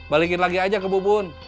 balikin lagi aja ke bubun